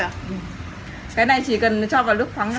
cái này nha chỉ cần cho vào nước ấy